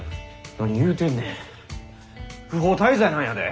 何言うてんねん不法滞在なんやで？